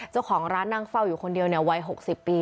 เจ้าของร้านนั่งเฝ้าอยู่คนเดียววัย๖๐ปี